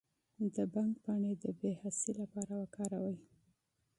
د بنګ پاڼې د بې حسی لپاره وکاروئ